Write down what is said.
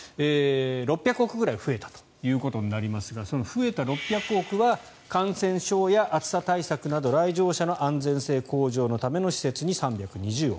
６００億ぐらい増えたということになりますがその増えた６００億は感染症や暑さ対策など来場者の安全性の向上のための施設に３２０億。